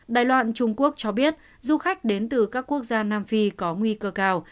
đài loan trung quốc cho biết du khách đến từ các quốc gia nam phi có nguy cơ cao